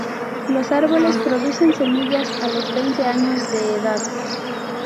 Los árboles producen semillas a los veinte años de edad.